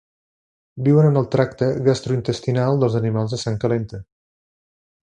Viuen en el tracte gastrointestinal dels animals de sang calenta.